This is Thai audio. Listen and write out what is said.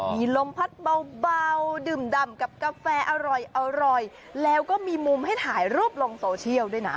มีลมพัดเบาดื่มดำกับกาแฟอร่อยแล้วก็มีมุมให้ถ่ายรูปลงโซเชียลด้วยนะ